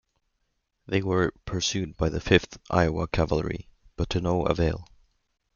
They were pursued by the Fifth Iowa Cavalry, but to no avail.